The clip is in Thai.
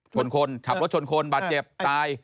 คนขับรถชนคนบาดเจ็บตาย